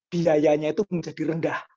biayanya itu menjadi rendah